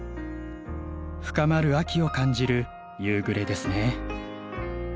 深まる秋を感じる夕暮れですね。